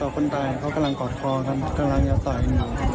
คุมตัวอยู่เค้าหาหายใจอยู่ประมาณนี้